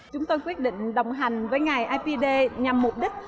chúng tôi quyết định đồng hành với ngày ipd nhằm mục đích